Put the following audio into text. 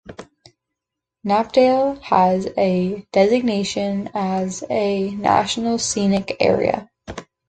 Knapdale has a designation as a National Scenic Area.